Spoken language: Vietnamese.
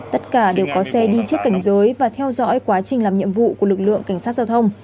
tất cả đều có xe đi trước cảnh giới và theo dõi quá trình làm nhiệm vụ của lực lượng cảnh sát giao thông